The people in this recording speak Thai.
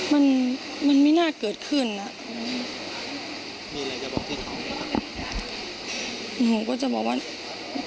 มันมันไม่น่าเกิดขึ้นอ่ะมีอะไรจะบอกให้เขาหนูก็จะบอกว่า